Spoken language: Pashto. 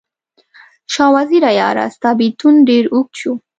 شاه وزیره یاره، ستا بیلتون ډیر اوږد شو